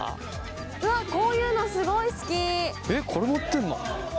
うわこういうのすごい好き